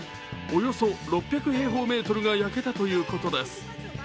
およそ６００平方メートルが焼けたということです。